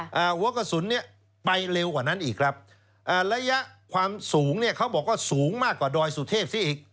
หัวกระสุนเนี้ยไปเร็วกว่านั้นอีกครับอ่าระยะความสูงเนี่ยเขาบอกว่าสูงมากกว่าดอยสุเทพซิอีก